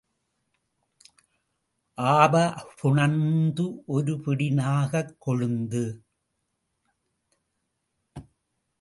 ஆபஃபுனந்து, ஒருபிடி நாகக் கொழுந்து.